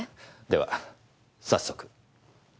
では早速。